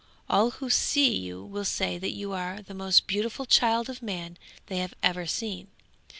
All who see you will say that you are the most beautiful child of man they have ever seen.